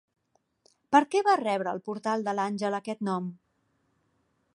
Per què va rebre el Portal de l'Àngel aquest nom?